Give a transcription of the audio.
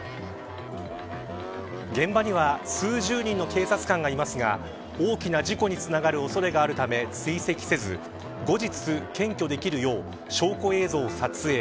現場には数十人の警察官がいますが大きな事故につながる恐れがあるため追跡せず後日、検挙できるよう証拠映像を撮影。